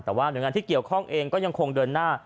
แต่ว่าหน่วยงานที่เกี่ยวข้องเองก็ยังคงเดินหน้า